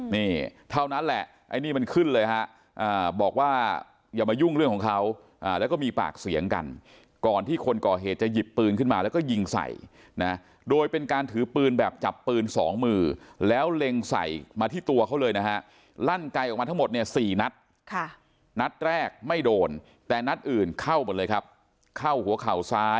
นี่เท่านั้นแหละไอ้นี่มันขึ้นเลยฮะบอกว่าอย่ามายุ่งเรื่องของเขาแล้วก็มีปากเสียงกันก่อนที่คนก่อเหตุจะหยิบปืนขึ้นมาแล้วก็ยิงใส่นะโดยเป็นการถือปืนแบบจับปืนสองมือแล้วเล็งใส่มาที่ตัวเขาเลยนะฮะลั่นไกลออกมาทั้งหมดเนี่ย๔นัดนัดแรกไม่โดนแต่นัดอื่นเข้าหมดเลยครับเข้าหัวเข่าซ้าย